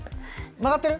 曲がってる？